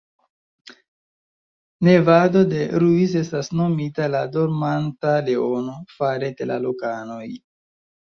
Nevado del Ruiz estas nomita la "Dormanta Leono" fare de la lokanoj.